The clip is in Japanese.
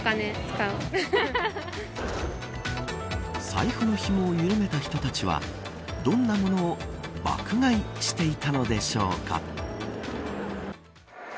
財布のひもを緩めた人たちはどんなものを爆買いしていたのでしょうか。